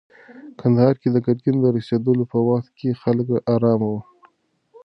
کندهار ته د ګرګین د رسېدلو په وخت کې خلک ارام وو.